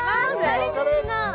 大好きな！